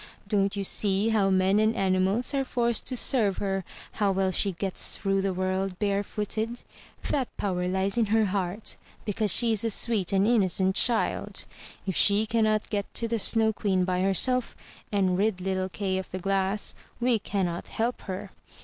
Don't you see how men and animals are forced to serve her; how well she gets through the world, barefooted? That power lies in her heart, because she is 320 THROUGH FAIRY HALLS a sweet and innocent child! If she cannot get to the Snow Queen by herself, and rid little Kay of the glass, we cannot help her.